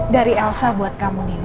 dari elsa buat kamu nih